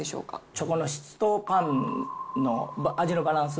チョコの質とパンの味のバランス。